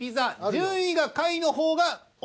順位が下位の方がオ―